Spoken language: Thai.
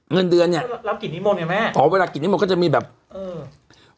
เงินเดือนเนี้ยเล่ากิจนิมมบ้างเนี้ยแม่โอ้อย่างเบื่ออาจจะได้ไม่มีแบบเอิ่ม